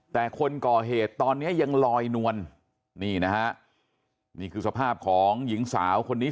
แต่คนก่อเหตุตอนนี้ยังลอยนวลนี่นะฮะนี่คือสภาพของหญิงสาวคนนี้